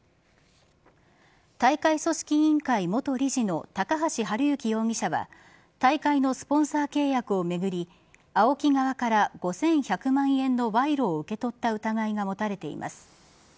大会組織委員会元理事の高橋治之容疑者は大会のスポンサー契約を巡りＡＯＫＩ側から５１００万円の賄賂を受け取った疑いが持たれています。